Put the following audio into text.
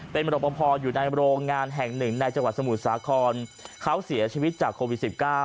เป็นรบพออยู่ในโรงงานแห่งหนึ่งในจังหวัดสมุทรสาครเขาเสียชีวิตจากโควิด๑๙